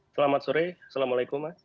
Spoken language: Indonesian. selamat sore assalamualaikum mas